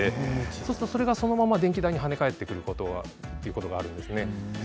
そうするとそのまま電気代に跳ね返ってくるということがあるんです。